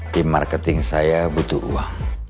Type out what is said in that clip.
di marketing saya butuh uang